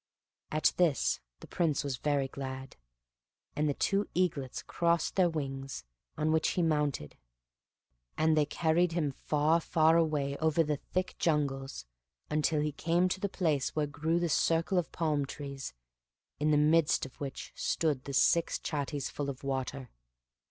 At this the Prince was very glad, and the two eaglets crossed their wings, on which he mounted; and they carried him far, far away over the thick, jungles, until he came to the place where grew the circle of palm trees, in the midst of which stood the six chattees full of water.